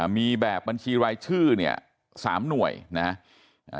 มีแบบบัญชีรายชื่อเนี่ยสามหน่วยนะฮะ